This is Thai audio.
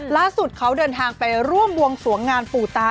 ล่าสุดเขาเดินทางไปร่วมบวงโสงงานปูตา